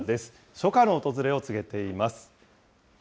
初夏の訪れを告げています。